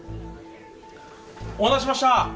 お待たせしました！